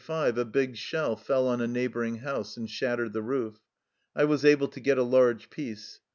45 a big shell fell on a neighbouring house and shattered the roof. I was able to get a large piece.